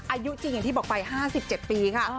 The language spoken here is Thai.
อายุจริงอย่างที่บอกไป๕๗ปีค่ะ